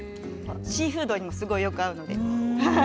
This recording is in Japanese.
シーフードにもすごくよく合うので。